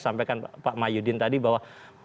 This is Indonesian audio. sampaikan pak mayudin tadi bahwa